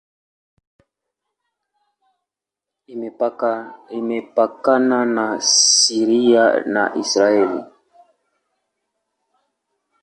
Imepakana na Syria na Israel.